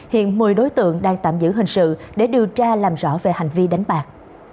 hiện một mươi đối tượng đang tạm giữ hình sự để điều tra làm rõ về hành vi đánh bạc